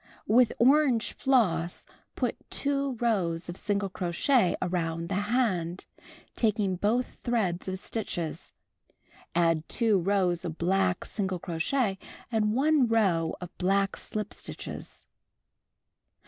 With orange floss, put 2 rows of single crochet around the hand, taking both threads of stitches. Add 2 rows of black single crochet and 1 row of black slip stitches.